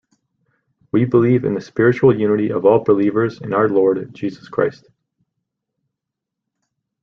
We believe in the spiritual unity of all believers in our Lord Jesus Christ.